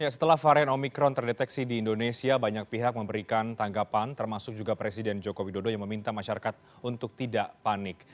setelah varian omikron terdeteksi di indonesia banyak pihak memberikan tanggapan termasuk juga presiden joko widodo yang meminta masyarakat untuk tidak panik